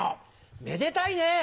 めでたいね！